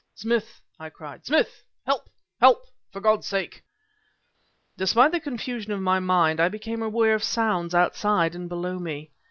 "Smith!" I cried, "Smith! Help! help! for God's sake!" Despite the confusion of my mind I became aware of sounds outside and below me.